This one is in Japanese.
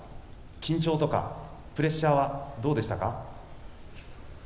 緊張とかプレッシャーはどうでしたか？